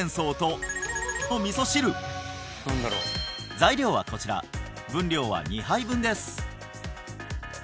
材料はこちら分量は２杯分です